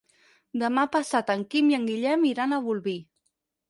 Demà passat en Quim i en Guillem iran a Bolvir.